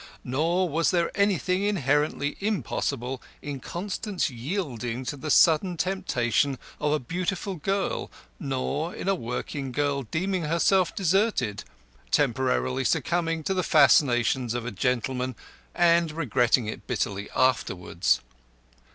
Nor was there anything inherently impossible in Constant's yielding to the sudden temptation of a beautiful girl, nor in a working girl deeming herself deserted, temporarily succumbing to the fascinations of a gentleman and regretting it bitterly afterwards.